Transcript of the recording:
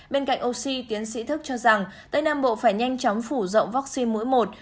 bên cạnh oxy tiến sĩ thức cho rằng tây nam bộ phải nhanh chóng phủ rộng vaccine mũi một